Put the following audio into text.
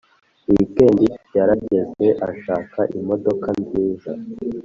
weekend yarageze ashaka imodoka nziza